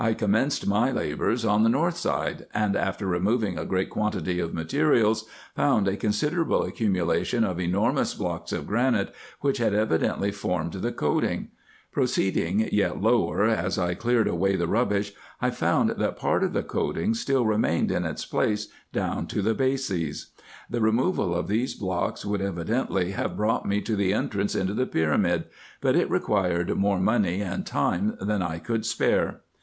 I commenced my labours on the north side, and, after removing a great quantity of materials, found a considerable accumulation of enormous blocks of granite, which had evidently formed the coating. — Proceeding yet lower, as I IN EGYPT, NUBIA, &c. 281 cleared away the rubbish I found, that part of the coating still re mained in its place down to the bases. The removal of these blocks would evidently have brought me to the entrance into the pyramid, but it required more money and time than I could spare.